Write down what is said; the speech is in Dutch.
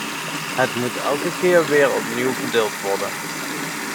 Het moet elke keer weer opnieuw verdeeld worden.